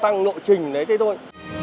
nó tăng lộ trình đấy thôi